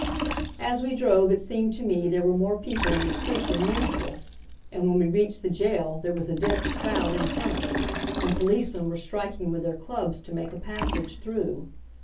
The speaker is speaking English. As we drove it seemed to me there were more people in the street than usual; and when we reached the jail there was a dense crowd in front of it, and policemen were striking with their clubs to make a passage through.